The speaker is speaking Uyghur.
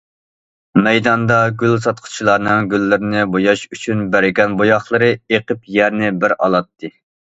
مەيداندا گۈل ساتقۇچىلارنىڭ گۈللىرىنى بوياش ئۈچۈن بەرگەن بوياقلىرى ئېقىپ يەرنى بىر ئالاتتى.